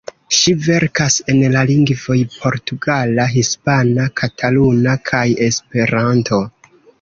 Ŝi verkas en la lingvoj portugala, hispana, kataluna kaj Esperanto.